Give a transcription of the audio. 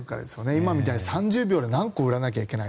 今みたいに３０秒で何個売らなきゃいけない。